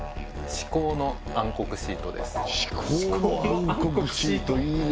至高の暗黒シート！